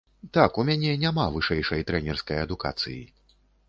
Так, у мяне няма вышэйшай трэнерскай адукацыі.